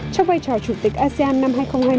trong vai trò chủ tịch asean năm hai nghìn hai mươi